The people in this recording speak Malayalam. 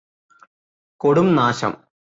കൊടും നാശം